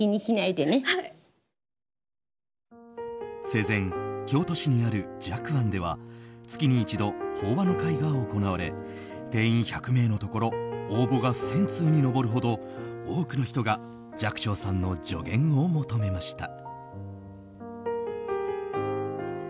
生前、京都市にある寂庵では月に一度、法話の会が行われ定員１００名のところ応募が１０００通に上るほど多くの人が寂聴さんの助言を求めました。